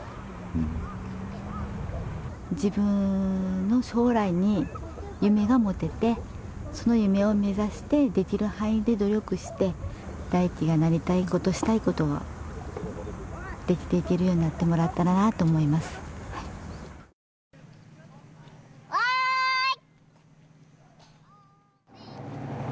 うん自分の将来に夢が持ててその夢を目指してできる範囲で努力して大輝がなりたいことしたいことはできていけるようになってもらったらなって思いますおい！